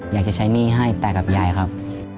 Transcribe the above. อยากจะใช้หนี้ให้ตากับยายครับ